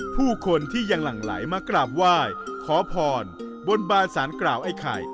ผู้คนที่ยังหลั่งไหลมากราบไหว้ขอพรบนบานสารกล่าวไอ้ไข่